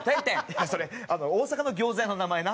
いやそれ大阪の餃子屋の名前な。